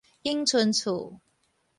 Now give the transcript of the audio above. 永春厝